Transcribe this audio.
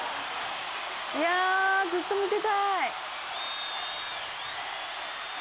「いやあずっと見てたい」